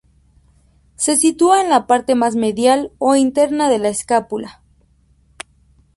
Se sitúa en la parte más medial o interna de la escápula.